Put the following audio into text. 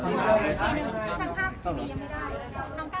โอเคแล้ว